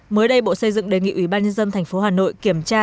mới đây bộ xây dựng đề nghị ủy ban nhân dân tp hà nội kiểm tra